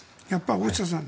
大下さん